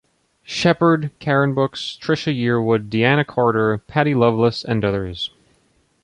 Sheppard, Karen Brooks, Trisha Yearwood, Deana Carter, Patty Loveless and others.